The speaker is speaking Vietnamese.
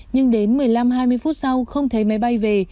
nhưng đến một mươi năm hai mươi phút sau không thấy máy bay về